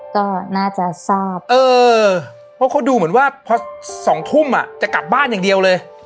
ก็น่าจะทราบเออเพราะเขาดูเหมือนว่าพอ๒ทุ่มจะกลับบ้านอย่างเดียวเลย